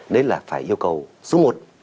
đấy là phải yêu cầu số một